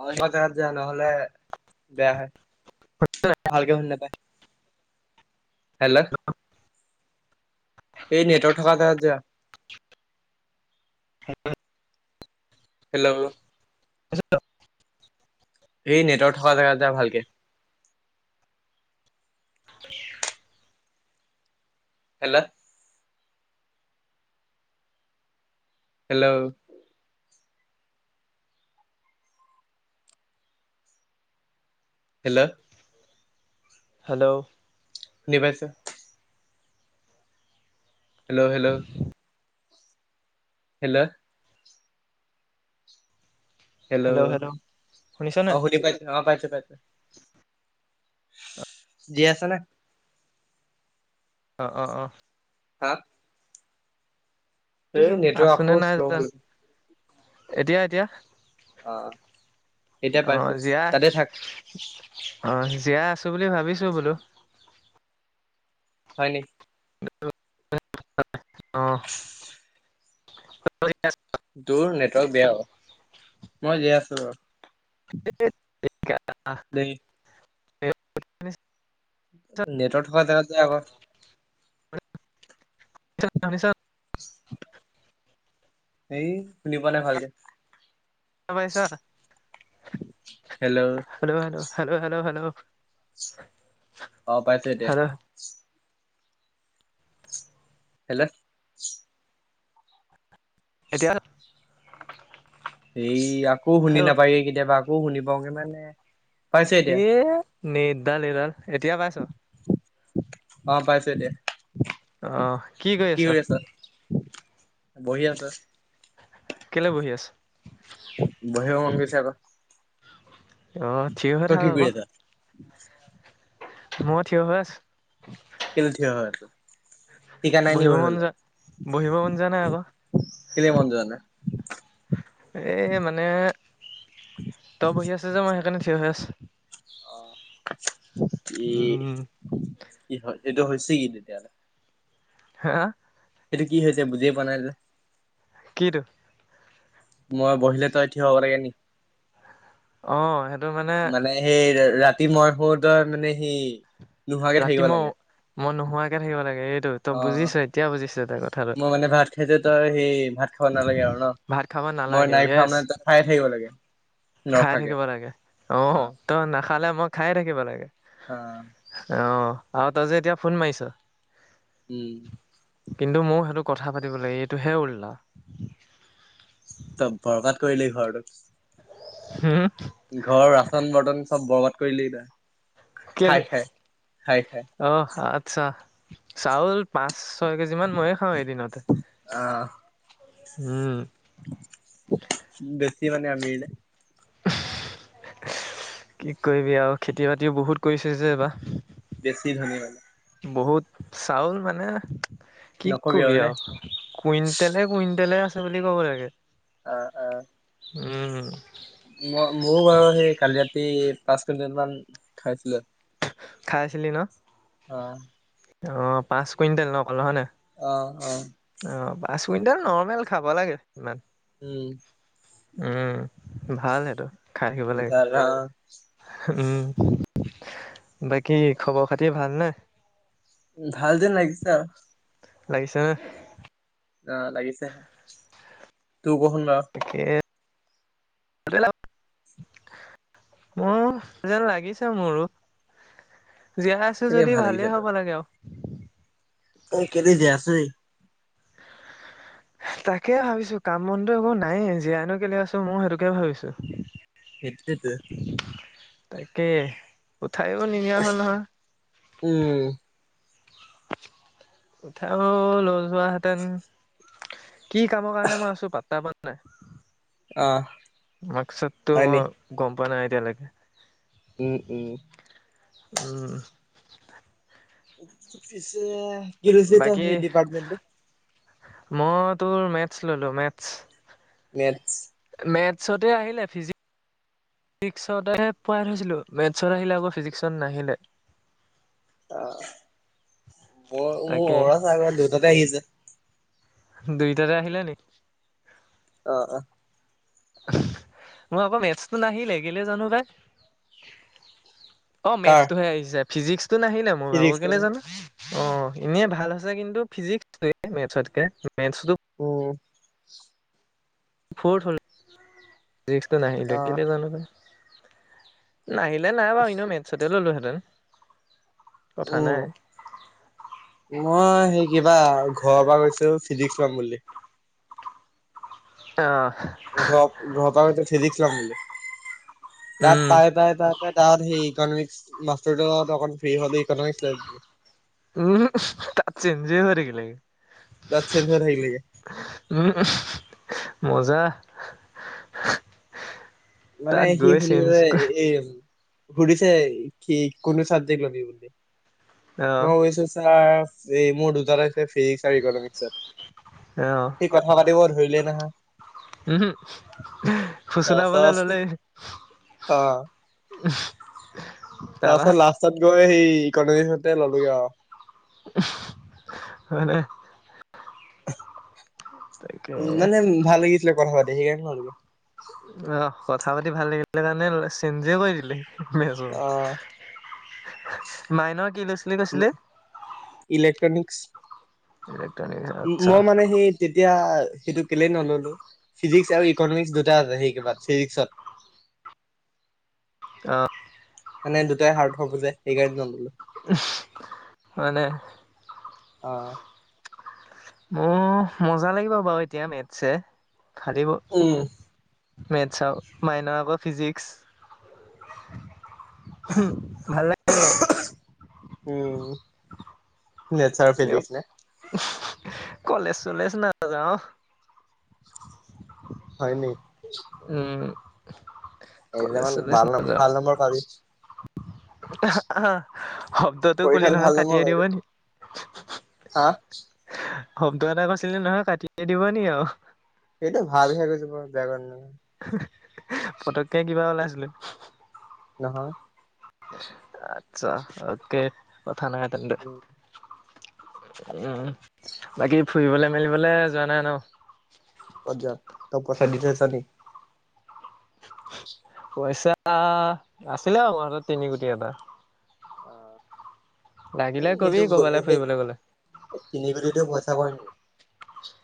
অ সিহঁত জেগাত যে নহলে বেয়া হয়। ভালকে শুনি নাপায়। হেল্ল। এই নেটৱৰ্ক থকা জেগাত যোৱা। [unintelligible] হেল্ল'। [unintelligible] এই নেটৱৰ্ক থকা জেগাত যা ভালকে। হেল্ল। হেল্ল'ও। হেল্ল। হেল্ল'ও শুনি পাইছ? Hello hello. হেল্ল হেল্ল' শুনিছনে? অ শুনি পাইছ ন, অ পাইছো পাইছো। যি আছা নে? অ অ অ। হা। এই কৰিছো, নেটৱৰ্ক আছো আকৌ নে নাই। শ্ল' হ'ল এতিয়া এতিয়া। অ এতিয়া অ পাইছো জীয়া তাতে থাক অ জীয়া আ, ছ বুলি ভাবিছো বোলো। হয় নেকি। অ। তোৰ নেটৱৰ্ক বেয়া অ। মই জীয়াই আছো ৰ। দেই [unintelligible] নেটৰ থকা জেগাত যা আকৌ। [unintelligible] [inaudible] এই শুনি পোৱা নাই ভালকে। শুনা পাইছা? Hello -hello. Hello, -hello, hello, অহ, পাইছো এতিয়া। হেল্ল' হেল্ল', এতিয়া? এই আকৌ শুনি হেল্ল' নাপায়গে কেতিয়াবা আকৌ শুনি পাওগে মানে পাইছো এতিয়া এ' নেটদাল এইডাল এতিয়া পাইছ? অহ, পাইছোঁ এতিয়া। অহ, কি কৰি আছ? বহি আছে কেলে বহি আছ [inaudible] বহিব মন গৈছে আকৌ। অহ, থিয় হৈ তই থাক কি কৰি আকৌ। আছা [inaudible] মই থিয় হৈ আছো। কেলে থিয় হৈ আছ? টিকা নাই নি বহিব মন বহিবলে? যোৱা বহিব মন যোৱা নাই আকৌ কেলে মন যোৱা নাই? এই মানে তই বহি আছ যে মই সেইকাৰণে থিয় হৈ আছ [inaudible] ই উম, কি হয় এইটো হৈছে কি তেতিয়া হ'লে? হা সেইটো কি হৈছে বুজিয়ে পোৱা নাই যে কিটো? মই বহিলে তই থিয় হব লাগে নি? অহ, সেটো মানে ৰাতি মই সো তই মানে সি নোহোৱাকে থাকিব ৰাতি মই লাগে -মই নোহোৱাকে থাকিব লাগে। এইটো তই অ বুজিছ এতিয়া বুজিছ তই কথাটো। মই মানে ভাত খাইছো তই সেই ভাত খাব নালাগে আৰু ন ভাত খাব মই নালাগে নাই খোৱা য়েছ। মানে তই খায়ে থাকিব লাগে খাই নৰখাকে থাকিব লাগে অ', তই নাখালে মই খায়ে থাকিব লাগে। অ অহ, আৰু তই যে এতিয়া ফোন মাৰিছ উম কিন্তু মোৰ সেইটো কথা পাতিব লাগে এইটোহে উল্টা। ত বৰ্বাত কৰিলি ঘৰটোক। হম', ঘৰৰ ৰাচন- বৰ্তন চব বৰবাদ কৰিলি তই। খাই কেলে খাই খাই খাই অহ ' আচ্ছা। চাউল পাঁচ -ছয় কেজি মান ময়ে খাওঁ এদিনতে। আহ উম বেছি মানে আমিৰনে? কি কৰিবি আও খেতি -বাতিও বহুত। কৈছে যে এবা বেছি ধনী মানে বহুত চাউল মানে কি নকবি কবি আৰু নে আও কুইণ্টলে- কুইণ্টলে আছে বুলি ক'ব লাগে। আহ -আহ। উম মই মোৰ বাৰু সেই কালি ৰাতি পাঁচ কুইণ্টেল মান খাইছিলে। খাইছিলি ন',? আহ অহ, পাঁচ কুইণ্টেল ন' অকল হয় নায়? অ অ অহ', পাঁচ। কুইণ্টেল নৰ্মেল খাব লাগে ইমান উম [inaudible] উম ভাল সেইটো। খাইথাকিব লাগে ভাল অ উম। বাকী খবৰ খাতি ভালনে। ভাল যেন লাগিছা আৰু। লাগিছে নে। আহ লাগিছেহে তোৰ কচোন বাৰু। [unintelligible] ম যেন লাগিছে মোৰো। জীয়াই আছো কেলে যদি ভাল ভালেই হ'ব লাগে আয়ো। ত কেলে জীয়াই আছ অই। তাকে ভাবিছো কাম বনধ একো নাইেই জীয়নো কেলে আছো মই সেইটোকে ভাবিছো। এইটেত। তাকে কঠাইও নিদিয় হ'ল নহয়। উম উঠাইও লৈ যোৱ হেঁতেন। কি কামৰ কাৰণে মই আছো পাট্ত প নাই। অ। মাকসতটো মই গম পোৱা নাই এতিয়ালৈকে। উম- উম। উম পিছে কিলচিত বাকী সেই ডিপাৰ্টমেণ্ট। মই তোৰ মেথছ ললো মেথছ- মেথচ মেথছতে আহিলে ফিজিক্স ফিজিক্সতে পোৱাই থৈছিলোঁ মেথছত আহিলে আকৌ ফিজিক্সত নাহিলে আহ মই তাকে মোৰ ছ দুইটাতে আহিছে। দুইটাৰে আহিলৈ নি আহ অ মই আকৌ মেথছটো নাহিলে খেলে জানো পাই গিলে জানো পাই। অ কাৰ? মেথছটোহে আহিছে ফিজিক্সটো নাহিলে না মোৰ ভাগৰ ফিজিক্স কেলে মানে। জানো। অ এনেই ভাল হৈছে কিন্তু ফিজিক্সটোৱে মেথছতকে মেথছ [inaudible] ফিক্সটো নাহিলে অ' কেলে জানো পাই নাহিলে নাই বাৰু এনে মেথছতে ল'লোহেঁতেন কথা নাই উম মই সেই কিবা ঘৰৰ পৰা গৈছো ফিজিক্স লম বুলি অ ঘ ঘৰৰ ফিজীক্স লম বুলি তাত উম, পাই পাই প তাত তাৰ সেই ইকনমিক্স মাষ্টৰ যে ত ফ্ৰী হ' ইকনমিক্স লাগ থাকিলেগে উ মজ যা মানে সি হ যে এই সুধিছে কি কোনোটো চাবজেক্ট লবি বুলি অ', মইকৈছো চাৰ এই মোৰ দুটা আছে ফিজিক্স আৰু ইকনমিক্সত অ', সি কথা পাতিব - ধৰিলে নহয়। উম হু ফুচলাবলে তাৰপাছত ললেই তাৰ তাৰপা পাছত লাষ্টত গৈ সেই ইকনমিক ললিত আৰু মানে তাকে মানে ভাল গিছিল কথা পাতি সেইকাৰনে লোকে আহ কথা পাতি ভাল লাগিলে তণে চেঞ্জে কৰি দিলে মেজৰ। অ মাইনৰ কি লৈছিলি কৈছিলি? ইলেক্ট্ৰনিকচ, ইলেক্ট্ৰনিক্স আচ্ছা ম-মই মানে সেই তেতিয়া সেইটো কেলে নললো। ফিজিক্স আৰু ইকনমিক্স দুটা আছে সেই কিবাত, ফিজিক্সত। [inaudible] অ'। মানে দুটাই হাৰদ হব যে, সেই কাৰনে নললো। হয়নে অ'। মোৰ মজা লাগিব বাৰু এতিয়া মেটছে, ফালিব। উম মেথছৰ, মাইনৰ আকৌ ফিজিক্স। হম', ভাল লাগিব। মেথছ আৰু ফিজিক্স নে কলেচ-চলেচ নাযাওঁ। হয় নি? [inaudible] এদিন কলেজ মান ভাল ন, ভাল নম্বৰ পাবি। অহা আহা, শব্দটো কোলি পৰীক্ষাত নহয় ভাল কাটি নম্বৰ দিব পাবি [unintelligible] হা? শব্দ এটা কছিলি নহয় কাটিয়ে দিব নি আও এইটো ভাল হে কৈছো মই বেয়া কোৱা নাই নহয়। পতককে কিবা ওলাইছিলে নহয়। আচ্ছা তাকে, কথা নাই তেন্তে। উম উম, বাকী ফুৰিবলে মেলিবলে যোৱা নাই ন? কত যাম, তক পইচা দি থৈছা নি? পইচা, আছিলে অলপ হাতত তিনি কোটি এটা। অ'। এ লাগিলে কবি সেইটো বহুত ক'বালৈ হয় হে, ফুৰিবলৈ গ'লে তিনি কোটিতো পইচা পৰে নেকি [inaudible]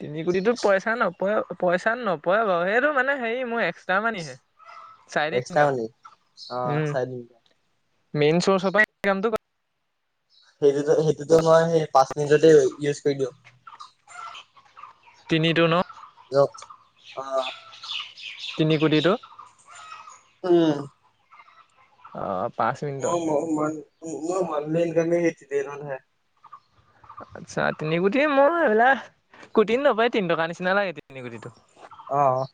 তিনি কোটিটো পইচা নপৰে পইচা নপৰে বাৰু, সেইটো মানে হেৰি মোৰ এক্সট্ৰা মানি হে। চাৰিদিন এক্সট্ৰা কাম মানি অ উম, চাৰে তিনি মেইন ৰ্চচৰ পৰাটো ইনকামটো সেইটোতো সেইটোতো মই সেই পাঁচ মিনিটতে ই-ইউজ কৰি দিওঁ। তিনিটো ন? দিয়ক অ' তিনি কোটিটো উম। অ'। পাঁচ মিনিটত অ' ম-ম-মান ম-মই মানথলি ইনকাম খিনি [unintelligible] আচ্ছা, তিনি কোটি এ মোৰ এইবিলাক কোটি নকয় তিন টকাৰ নিচিনা লাগে তিনি কোটিটো। অ',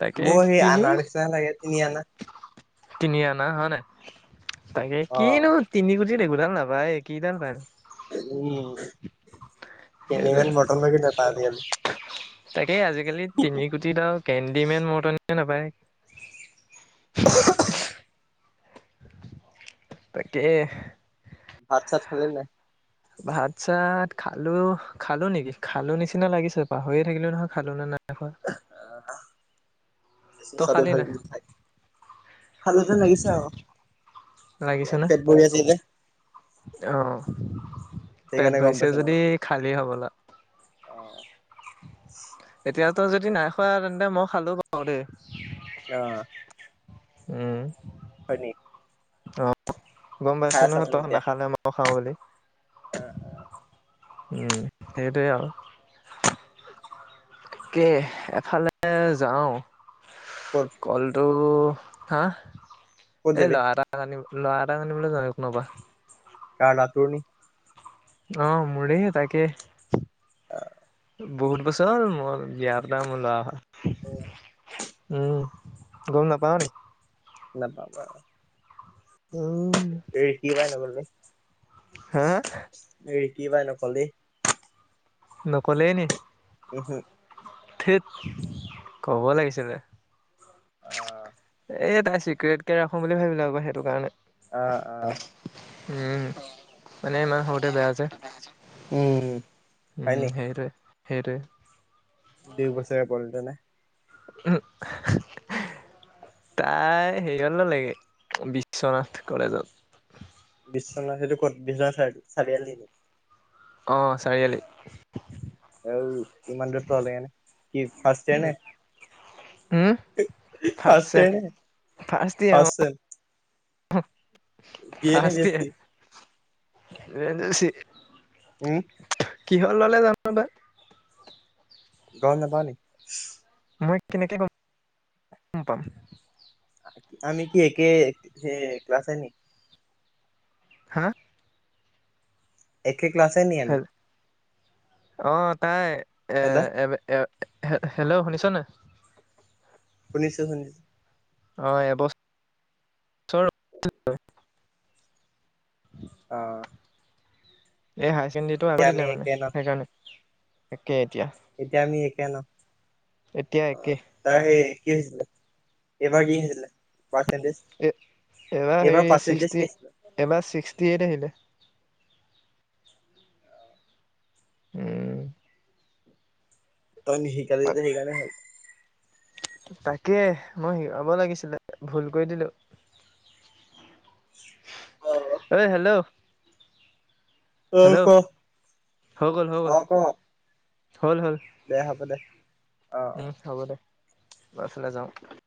তাকে মোৰ সেই তিনি আনাৰ নিছিনা হে লাগে, তিনি আনা। তিনি আনা হয় নে। তাকে অ কিনো তিনি কো একোডাল নাপায়, কিডাল পায়? উম। সেইটোৱে, কেনেমান মটন লাগি নাপায় আজিকালি তাকে আজিকালি তিনি কোটি টকা কে ডিমেন মৰটনিয়ে নাপায়। [unintelligible] তাকেই ভাত-চাত খালি নে নাই? ভাত-চাত খালো খালো নেকি, খালো নিচিনা লাগিছে পাহৰিয়ে থাকিলো নহয় খালো নে নাই। দেখ [unintelligible] চ ভ [unintelligible] খালে যে লাগিছে আৰু। এতিয়া পেট ভৰি আছিল যে। অহ পেট সেইকাৰণে গম ভৰিছে পাইছো মানে যদি খালী হ'বলা। অ। এতিয়াতো যদি নাই খোৱা তেন্তে মই খালো বাৰু দেই। অ অ। উম। হয়নি? অ গম পাইছে নহয়, তহত এতিয়া নাখালে মও [unintelligible] খাওঁ বুলি। উম সেইটোৱেই আৰু কে এফালে যাওঁ। ক'ত কলটো, হা, ক'ত এই যাবি ল'ৰা এটা ল'ৰা এটাক আনিবলৈ জান কোনোবা। কাৰ লা তোৰ নি [unintelligible] অ মুৰেই তাকে। বহুত বছৰ মোৰ, জীয়াৰ দ ম লোৱা। [unintelligible] হয়। উম গম নাপাওঁ নি? ন বাবা। উম এই সি পাই ন বলি। হা এ ৰিকি পাই নকলি। নকলেই নি। উহু। ঠেত কব লাগিছিলে। অ। এ তাই চিক্ৰট কে ৰাখো বুলি ভাবিলো আকৌ সেইটো কাৰণে। অ অ উম, মানে ইমান সৰুতে বেয়া আছে। হয় উম নি সেইটোৱে সেইটোৱে। দুই বছৰে পালটো না। উম। তাই হেৰিয়াল, লগে বিশ্বনাথ কলেজত। বিশ্বনাথ সেইটো ক'ত বিনা চাৰ চাৰিআলি ন। আহ চাৰিআলি। আৰু ইমান দ লোনে, কি ফাস্তেৰ নে? Um first sem first year first sem. আহ। দিয়ে নিদিয়ে চি? এজচি। ওম কিহল ললে জানো বা? গা নেপাওঁ নী। মই কেনেকৈ গম, গম পাম? আমি কি এক, স ক্লাছ এ নি? হা। একে ক্লাছ নি আমি। অ তাই এ, হেল্ল' এ এ। হেল্ল' শুনিছনে। শুনিছোঁ শুনিছোঁ। অ, এবছৰৰ। আহ। এই হায়াৰ ছেকেণ্ডেৰীটো আকৌ দিলে, মানে একে ন সেইকাৰণে। এতিয়া এতিয়া আমি একে ন। এতিয়া একে। তাৰ সেই কি হৈছিলে, এইবাৰ কি হৈছিলে। পাৰ্চেন্টেজ এ এবাৰ এইবাৰ হেৰি পাৰ্চেন্টেজ কি ছিক্সটি, আছিলে এবাৰ ছিক্সটি এইট আহিলে। উম। তই শিকালি যাতে সেইকাৰণে হল। তাকে মই শিকাব লাগিছিলে ভুল কৰি দিলোঁ। অ ঐ হেল্ল'। উ ক, হেল্ল' হৈ গ'ল হৈ গ'ল অ ক। হল হ'ল, দে হ'ব দে অ অ উম হ'ব দে এ ফালে যাওঁ। [unintelligible]